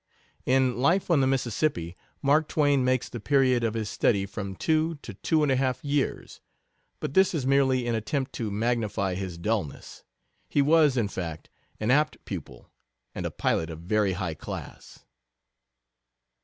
In Life on the Mississippi Mark Twain makes the period of his study from two to two and a half years, but this is merely an attempt to magnify his dullness. He was, in fact, an apt pupil and a pilot of very high class.